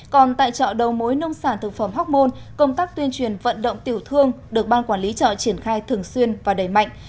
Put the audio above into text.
còn tại chợ đầu mối nông sản thực phẩm hóc môn công tác tuyên truyền vận động tiểu thương được ban quản lý chợ triển khai thường xuyên và đẩy mạnh